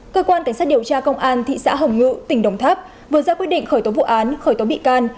cơ quan cảnh sát điều tra công an thị xã hồng ngự tỉnh đồng tháp vừa ra quyết định khởi tố vụ án khởi tố bị can